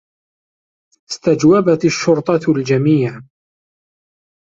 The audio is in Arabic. استجوبت الشّرطة الجميع.